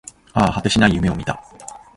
ああ、果てしない夢を見た